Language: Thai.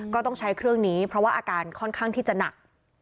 ก็ต้องใช้เครื่องนี้เพราะว่าอาการค่อนข้างที่จะหนัก